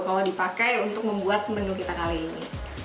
kalau dipakai untuk membuat menu kita kali ini